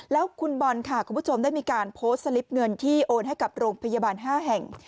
แล้วคุณบอลค่ะคุณผู้ชมได้มีการโพสต์สลิปเงินที่โอนให้กับโรงพยาบาล๕แห่ง